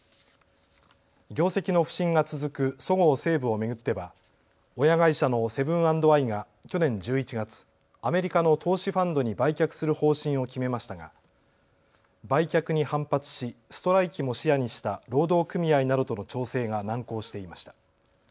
業績の不振が続くそごう・西武を巡っては親会社のセブン＆アイが去年１１月、アメリカの投資ファンドに売却する方針を決めましたが売却に反発しストライキも視野にした労働組合などとの調整が難航していました。